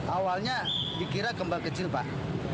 awalnya dikira gempa kecil pak